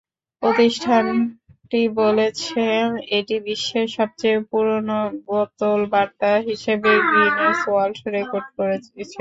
প্রতিষ্ঠানটি বলেছে, এটি বিশ্বের সবচেয়ে পুরোনো বোতলবার্তা হিসেবে গিনেস ওয়ার্ল্ড রেকর্ডস গড়েছে।